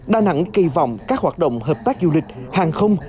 đà nẵng kỳ vọng các hoạt động hợp tác du lịch hàng không